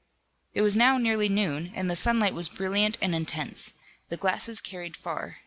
It was now nearly noon and the sunlight was brilliant and intense. The glasses carried far.